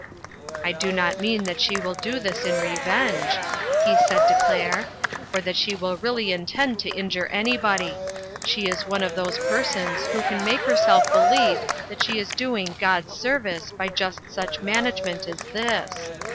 " I do not mean that she will do this in revenge," he said to Claire, " or that she will really intend to injure anybody. She is one of those persons who can make her self believe that she is doing God's service by just such management as this.